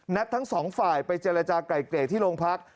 นัดทั้งสองฝ่ายไปเจรจาไก่เก๋ที่โรงพักษณ์